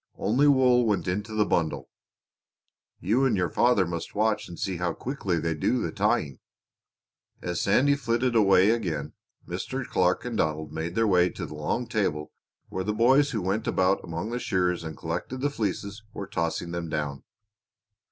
Only wool went into the bundle. You and your father must watch and see how quickly they do the tying." As Sandy flitted away again Mr. Clark and Donald made their way to the long table where the boys who went about among the shearers and collected the fleeces were tossing them down.